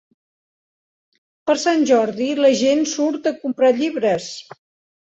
Per Sant Jordi la gent surt a comprar llibres.